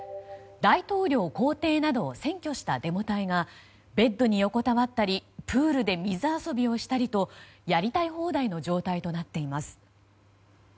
大統領公邸などを占拠したデモ隊がベッドに横たわったりプールで水遊びをしたりとやりたい放題の状態となっています。